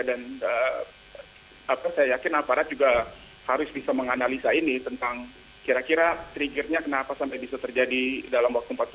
dan saya yakin aparat juga harus bisa menganalisa ini tentang kira kira triggernya kenapa sampai bisa terjadi dalam waktu empat puluh delapan jam